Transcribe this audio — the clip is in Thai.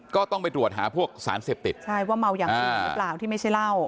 ก็ต้องไปตรวจหาพวกสารเสพติดใช่ว่าเมาอย่างอื่นหรือเปล่าที่ไม่ใช่เหล้า